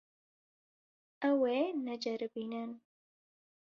Ew ê neceribînin.